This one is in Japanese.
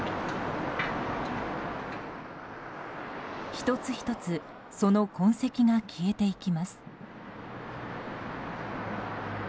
１つ１つその痕跡が消えていきます。